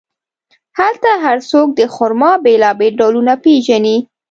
هلته هر څوک د خرما بیلابیل ډولونه پېژني.